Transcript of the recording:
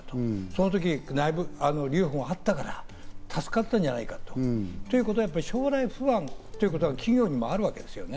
そのとき内部留保があったか、助かったんじゃないかと。ということで将来不安ということが企業にもあるわけです。